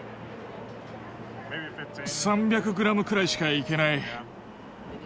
３００グラムくらいしかいけない。